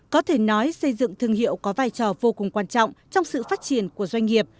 có thể nói xây dựng thương hiệu có vai trò vô cùng quan trọng trong sự phát triển của doanh nghiệp